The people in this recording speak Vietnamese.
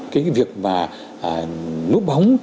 cái việc mà nút bóng